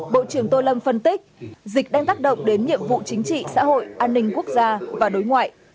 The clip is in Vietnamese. bộ trưởng tô lâm phân tích dịch đang tác động đến nhiệm vụ chính trị xã hội an ninh quốc gia và đối ngoại